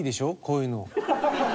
こういうの。